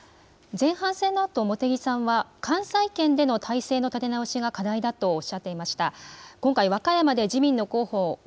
続いて自民の茂木さん、前半戦のあと茂木さんは関西圏での体制の立て直しが課題だとおっしゃっていました。